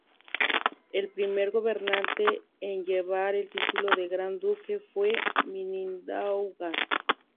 El primer gobernante en llevar el título de gran duque fue Mindaugas.